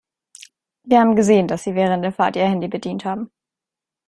Wir haben gesehen, dass Sie während der Fahrt Ihr Handy bedient haben.